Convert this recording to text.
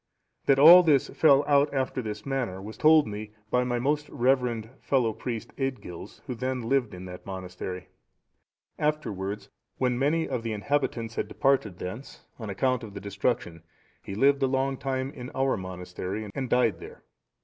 That all this fell out after this manner, was told me by my most reverend fellow priest, Aedgils, who then lived in that monastery. Afterwards, when many of the inhabitants had departed thence, on account of the destruction, he lived a long time in our monastery,(719) and died there.